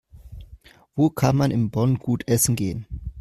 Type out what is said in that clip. Wo kann man in Bonn gut essen gehen?